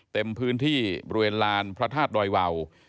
เต็มพื้นที่บริเวณลานพระธาตุดอยวาว